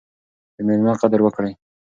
د میلمه قدر وکړئ.